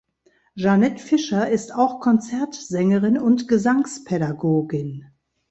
Jeannette Fischer ist auch Konzertsängerin und Gesangspädagogin.